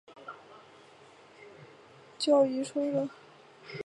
其他铭文描绘他为国家宗教仪式的组织者。